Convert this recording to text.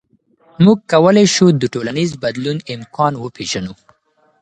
موږ کولی شو د ټولنیز بدلون امکان وپېژنو.